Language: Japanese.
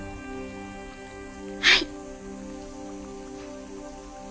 はい。